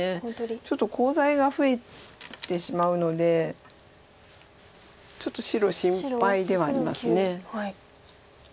ちょっとコウ材が増えてしまうのでちょっと白心配ではあります。